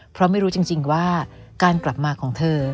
เพราะไม่รู้จริงว่าการกลับมาของเธอ